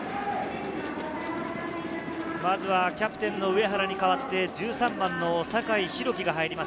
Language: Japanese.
まずはキャプテンの上原に代わって１３番の坂井大樹が入ります